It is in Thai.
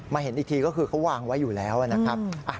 เห็นอีกทีก็คือเขาวางไว้อยู่แล้วนะครับ